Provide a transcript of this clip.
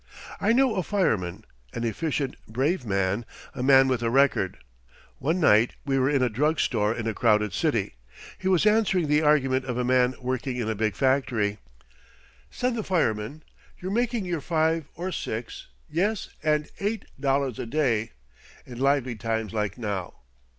I know a fireman, an efficient, brave man a man with a record. One night we were in a drug store in a crowded city he was answering the argument of a man working in a big factory. Said the fireman: "You're making your five or six yes, and eight dollars a day, in lively times like now.